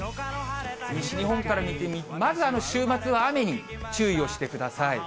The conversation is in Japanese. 西日本から見てみると、まず、週末は雨に注意をしてください。